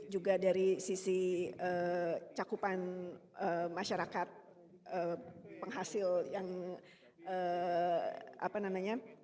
juga dari sisi cakupan masyarakat penghasil yang apa namanya